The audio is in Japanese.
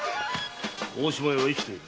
「大島屋は生きている。